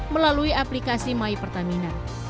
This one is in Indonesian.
melalui aplikasi mypertamina